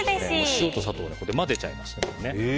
塩と砂糖を混ぜちゃいます。